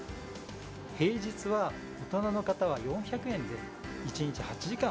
平日は大人の方は４００円で１日８時間